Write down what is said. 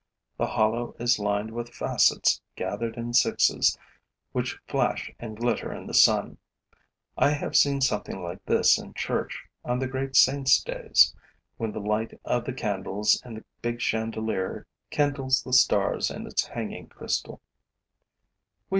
The hollow is lined with facets gathered in sixes which flash and glitter in the sun. I have seen something like this in church, on the great saints' days, when the light of the candles in the big chandelier kindles the stars in its hanging crystal.